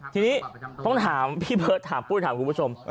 ทีนี้ต้องถามพี่เบิร์ตถามปุ้ยถามคุณผู้ชม